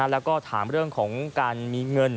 แล้วก็ถามเรื่องของการมีเงิน